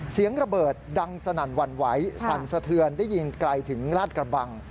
เสียงระเบิดดังสนั่นหวั่นไหวสั่นสะเทือนได้ยินไกลถึงลาดกระบัง